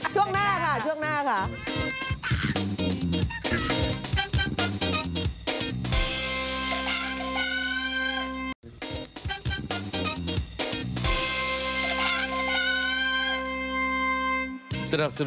ช่วงหน้าค่ะช่วงหน้าค่ะ